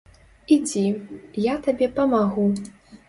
Ідзі, я табе памагу.